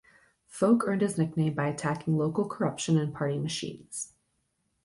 Folk earned his nickname by attacking local corruption and party machines.